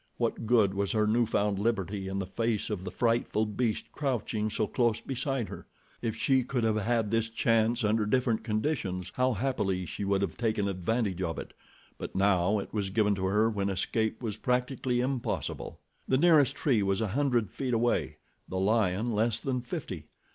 What good was her new found liberty in the face of the frightful beast crouching so close beside her? If she could have had this chance under different conditions, how happily she would have taken advantage of it; but now it was given to her when escape was practically impossible. The nearest tree was a hundred feet away, the lion less than fifty.